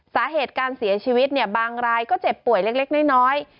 สาเหตุการเสียชีวิตบางรายก็เจ็บป่วยเล็กน้อย